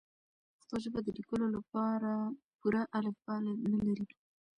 پښتو ژبه د لیکلو لپاره پوره الفبې نلري.